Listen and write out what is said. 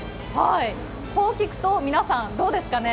こう聞くと皆さんどうですかね？